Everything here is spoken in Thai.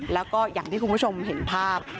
แล้วก็อย่างที่คุณผู้ชมเห็นภาพ